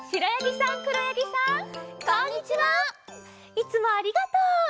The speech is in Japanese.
いつもありがとう！